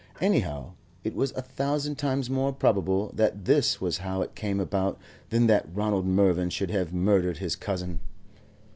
Anyhow, it was a thousand times more probable that this was how it came about than that Ronald Mervyn should have murdered his cousin.